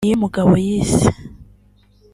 Niyomugabo yise